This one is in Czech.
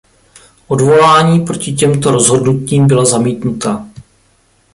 Odvolání proti těmto rozhodnutím byla zamítnuta.